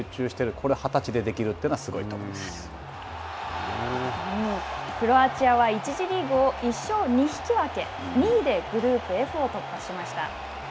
これ２０歳でできるというのは、クロアチアは１次リーグを１勝２引き分け、２位でグループＦを突破しました。